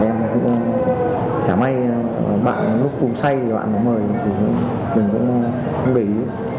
em cũng chả may lúc cùng say thì bạn mà mời thì mình cũng không để ý